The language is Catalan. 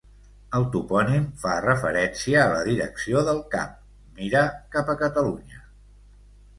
El topònim fa referència a la direcció del cap: mira cap a Catalunya.